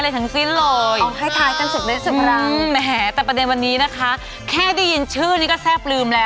เป็นอย่างไรบังไงครับวันนี้มาแจกการ์ดหรือฮะ